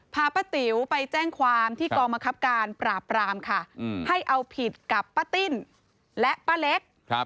ป้าติ๋วไปแจ้งความที่กองบังคับการปราบรามค่ะให้เอาผิดกับป้าติ้นและป้าเล็ก